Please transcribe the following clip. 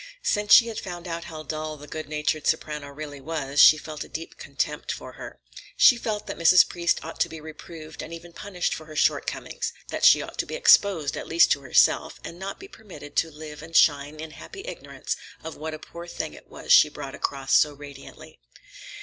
Since she had found out how dull the goodnatured soprano really was, she felt a deep contempt for her. She felt that Mrs. Priest ought to be reproved and even punished for her shortcomings; that she ought to be exposed,—at least to herself,—and not be permitted to live and shine in happy ignorance of what a poor thing it was she brought across so radiantly.